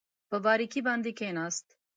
په بارکي باندې کېناست.